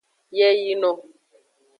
Yeyino.